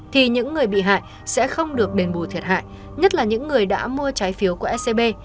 thì những người bị hại sẽ không được đền bù thiệt hại nhất là những người đã mua trái phiếu của scb